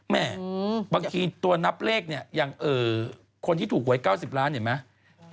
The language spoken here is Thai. แม่บางทีตัวนับเลขเนี่ยอย่างคนที่ถูกหวย๙๐ล้านเห็นไหม